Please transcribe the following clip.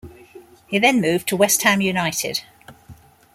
He then moved to West Ham United.